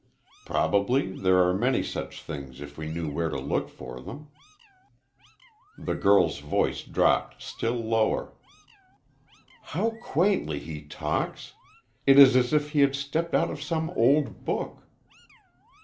Probably there are many such things if we knew where to look for them." The girl's voice dropped still lower. "How quaintly he talks. It is as if he had stepped out of some old book."